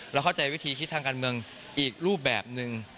เราเข้าใจวิธีคิดทางการเมืองอีกรูปแบบหนึ่ง